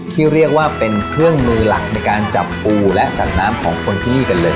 ที่เรียกว่าเป็นเครื่องมือหลักในการจับปูและสัตว์น้ำของคนที่นี่กันเลย